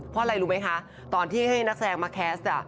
เพราะอะไรรู้ไหมคะตอนที่ให้นักแสดงมาแคสต์